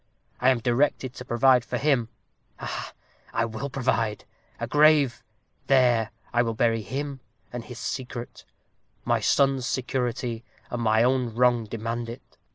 I am directed to provide for him ha! ha! I will provide a grave! There will I bury him and his secret. My son's security and my own wrong demand it.